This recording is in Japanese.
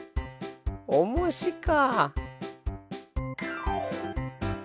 おもしか。